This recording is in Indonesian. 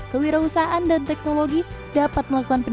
kewirausahaan dan teknologi menjaga kemampuan kemampuan kemampuan